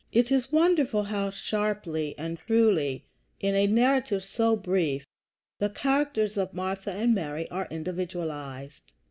It is wonderful how sharply and truly, in a narrative so brief, the characters of Martha and Mary are individualized.